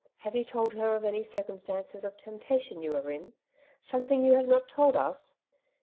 Have you told her of any circumstances of tempta tion you are in ? something you have not told us